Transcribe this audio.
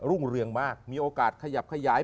รุ่งเรืองมากมีโอกาสขยับขยาย